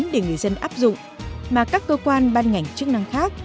để người dân áp dụng mà các cơ quan ban ngành chức năng khác